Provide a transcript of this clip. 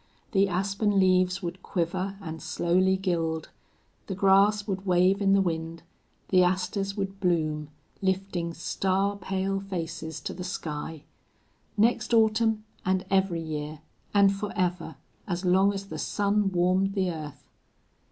The aspen leaves would quiver and slowly gild, the grass would wave in the wind, the asters would bloom, lifting star pale faces to the sky. Next autumn, and every year, and forever, as long as the sun warmed the earth!